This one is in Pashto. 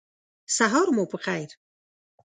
سهار مو په خیر !